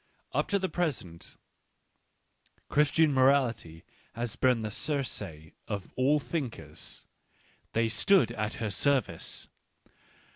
^Up to the present Christian morality has been the Circe of all thinkers — they stood at her service.